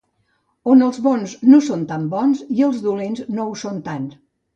On els bons no són tan bons i els dolents no ho són tant.